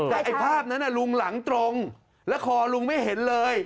แต่ไอ้ภาพนั้นลุงหลังตรงแล้วคอลุงไม่เห็นเลย